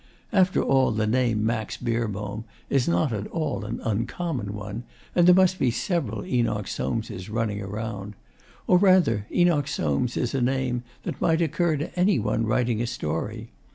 After all, the name "Max Beerbohm" is not at all an uncommon one, and there must be several Enoch Soameses running around or rather, "Enoch Soames" is a name that might occur to any one writing a story.